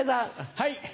はい。